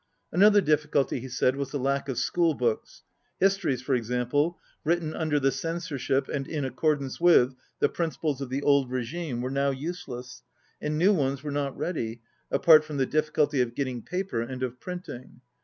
Another difficulty, he said, was the lack of school books. Histories, for example, written under the censorship and in accordance with the principles of the old regime, were now useless, and new ones were not ready, apart from the difficulty of getting paper and of printing.